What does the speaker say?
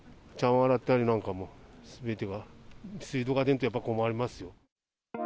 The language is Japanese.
洗ったりなんかもすべては水道が出んとやっぱり困ります。